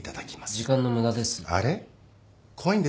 時間の無駄です。